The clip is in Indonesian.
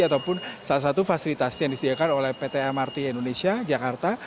ataupun salah satu fasilitas yang disediakan oleh pt mrt indonesia jakarta